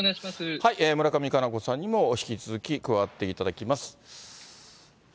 村上佳菜子さんにも、引き続き、加わっていただきます。